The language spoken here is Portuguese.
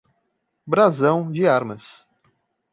Brasão? de armas.